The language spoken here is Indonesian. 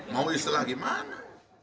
mau istilah gimana